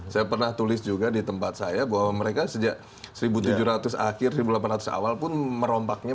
saya pernah tulis juga di tempat saya bahwa mereka sejak seribu tujuh ratus akhir seribu delapan ratus awal pun merombaknya